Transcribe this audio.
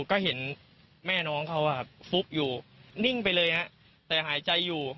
ก็เห็นแม่น้องเขาฟุบอยู่นิ่งไปเลยฮะแต่หายใจอยู่